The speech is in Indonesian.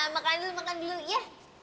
makan dulu makan dulu iya